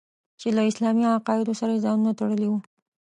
چې له اسلامي عقایدو سره یې ځانونه تړلي وو.